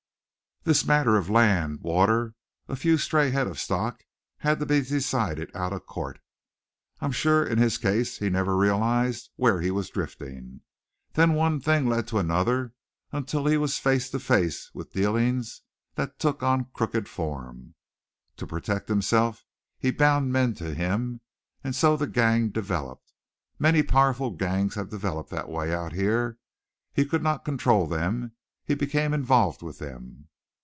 "This matter of land, water, a few stray head of stock had to be decided out of court. I'm sure in his case he never realized where he was drifting. Then one thing led to another, until he was face to face with dealing that took on crooked form. To protect himself he bound men to him. And so the gang developed. Many powerful gangs have developed that way out here. He could not control them. He became involved with them.